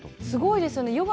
すごいですよね。